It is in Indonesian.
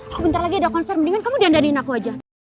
aku bentar lagi ada konser mendingan kamu diandalin aku aja